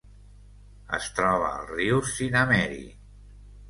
Es troba al riu Sinnamary.